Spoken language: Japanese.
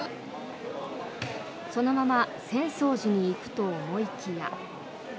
そのまま浅草寺に行くと思いきや。